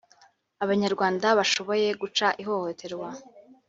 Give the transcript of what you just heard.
Abanyarwanda bashoboye guca ihohoterwa